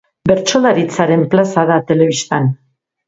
Bertsolaritzaren plaza da telebistan.